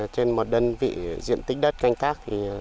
trên một đơn vị diện tích đất canh tác